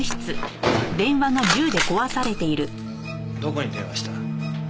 どこに電話した？